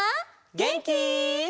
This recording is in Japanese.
げんき？